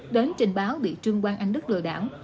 đến trình báo bị trương quang anh đức lừa đảo